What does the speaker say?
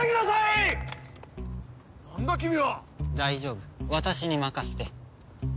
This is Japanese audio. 大丈夫私に任せて。